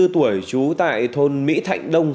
ba mươi tuổi trú tại thôn mỹ thạnh đông